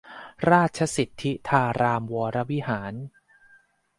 ราชสิทธิธารามวรวิหาร